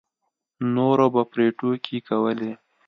نورو به پرې ټوکې کولې.